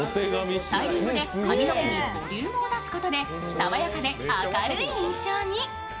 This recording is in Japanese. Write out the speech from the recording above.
スタイリングで髪の毛にボリュームを出すことで爽やかで明るい印象に。